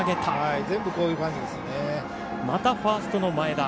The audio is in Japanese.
またファーストの前田。